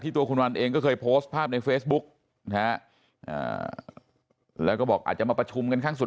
ทุกผู้ชมครับ